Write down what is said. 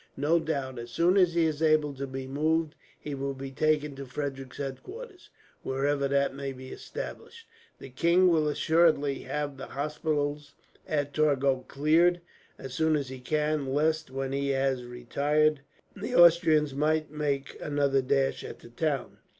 No doubt, as soon as he is able to be moved, he will be taken to Frederick's headquarters, wherever they may be established. The king will assuredly have the hospitals at Torgau cleared, as soon as he can; lest, when he has retired, the Austrians might make another dash at the town."